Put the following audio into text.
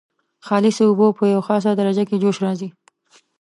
خالصې اوبه په یوه خاصه درجه کې جوش راځي.